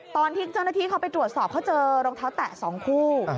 ตอนที่เจ้าหน้าที่เขาไปตรวจสอบเขาเจอรองเท้าแตะ๒คู่